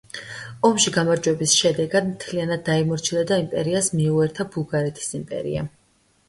ომში გამარჯვების შედეგად მთლიანად დაიმორჩილა და იმპერიას მიუერთა ბულგარეთის იმპერია.